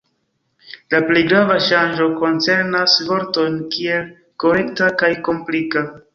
La plej grava ŝanĝo koncernas vortojn kiel "korekta" kaj "komplika".